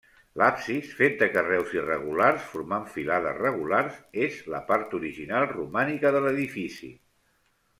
L'absis, fet de carreus irregulars formant filades regulars, és la part original romànica de l'edifici.